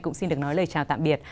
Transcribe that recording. cũng xin được nói lời chào tạm biệt